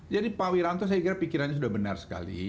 jadi pak wiranto saya kira pikirannya sudah benar sekali